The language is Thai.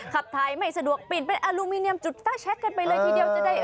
ขับถ่ายไม่สะดวกปิดเป็นอลูมิเนียมจุดไฟแชคกันไปเลยทีเดียวจะได้